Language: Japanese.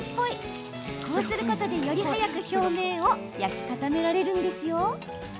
こうすることで、より早く表面を焼き固められます。